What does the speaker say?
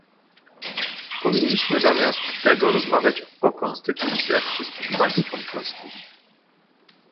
Powinniśmy zamiast tego rozmawiać o konstytucjach wszystkich państw członkowskich